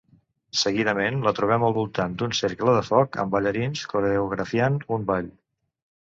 Seguidament, la trobem al voltant d'un cercle de foc amb ballarins coreografiant un ball.